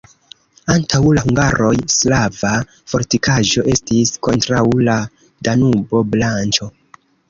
Antaŭ la hungaroj slava fortikaĵo estis kontraŭ la Danubo-branĉo.